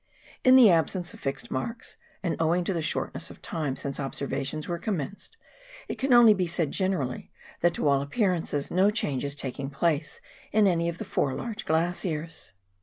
In the absence of fixed marks, and owing to the short ness of time since observations were commenced, it can only be said generally, that to all appearances no change is taking place in any of the four large glaciers.